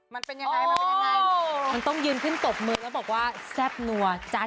มันเป็นยังไงมันต้องยืนขึ้นตบมือแล้วบอกว่าแทบนัวจ๊ะ